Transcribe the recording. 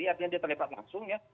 artinya dia terlibat langsung ya